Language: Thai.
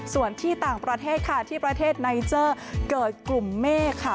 ส่วนที่ต่างประเทศค่ะที่ประเทศไนเจอร์เกิดกลุ่มเมฆค่ะ